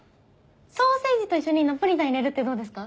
ソーセージと一緒にナポリタン入れるってどうですか？